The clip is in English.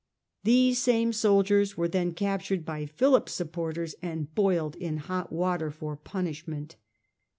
These same soldiers were then captured by Philip's sup porters and boiled in hot water for punishment.